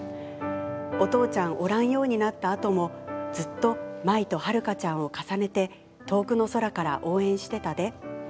お父ちゃんおらんようになったあともずっと舞と遥ちゃんを重ねて遠くの空から応援してたで。